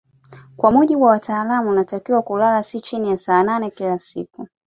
Kwa mujibu wa wataalamu unatakiwa kulala si chini ya saa nane kila siku